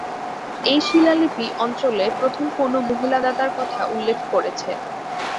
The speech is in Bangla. এই শিলালিপি অঞ্চলে প্রথম কোনও মহিলা দাতার কথা উল্লেখ করেছে।